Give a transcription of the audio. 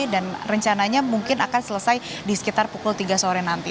dan rencananya mungkin akan selesai di sekitar pukul tiga sore nanti